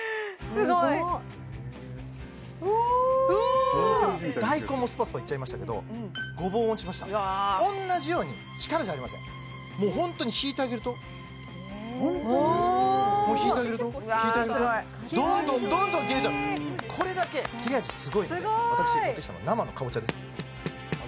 すごいうお大根もスパスパいっちゃいましたけどゴボウお持ちしました同じように力じゃありませんもうホントに引いてあげるともう引いてあげると引いてあげてどんどんどんどん切れちゃうこれだけ切れ味すごいんで私持ってきたのは生のカボチャです